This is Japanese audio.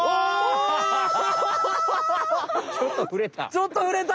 ちょっとふれた。